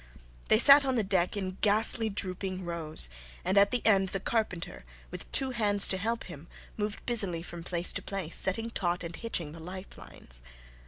They sat on the deck in ghastly, drooping rows, and at the end the carpenter, with two hands to help him, moved busily from place to place, setting taut and hitching the life lines.